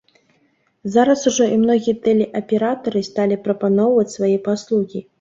Зараз ужо і многія тэлеаператары сталі прапаноўваць свае паслугі.